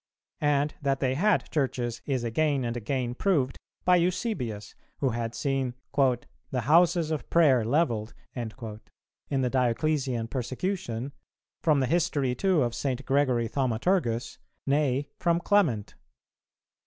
And that they had churches is again and again proved by Eusebius who had seen "the houses of prayer levelled" in the Dioclesian persecution; from the history too of St. Gregory Thaumaturgus, nay from Clement.